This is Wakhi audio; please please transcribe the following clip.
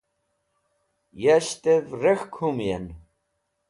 yasht'ev rek̃hk humuyen